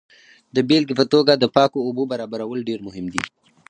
د بیلګې په توګه د پاکو اوبو برابرول ډیر مهم دي.